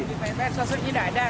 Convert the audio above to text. dibayar soalnya tidak ada